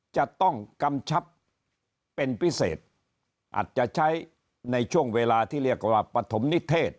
จะต้องกำชับเป็นพิเศษอาจจะใช้ในช่วงเวลาที่เรียกว่าปฐมนิเทศ